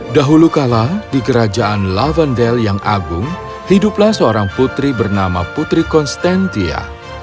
dahulu kala di kerajaan lavendel yang agung hiduplah seorang putri bernama putri konstantia